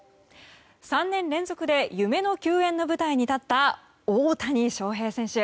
３年連続で夢の球宴の舞台に立った大谷翔平選手。